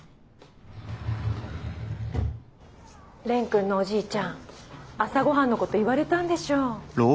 君のおじいちゃん朝ごはんのこと言われたんでしょ。